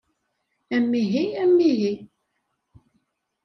Amihi, amihi!